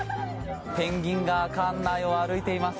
ペンギンが館内を歩いています。